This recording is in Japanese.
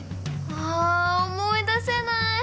あ思い出せない！